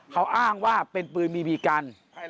เขาอ้างว่าเป็นปืนบีบีกัน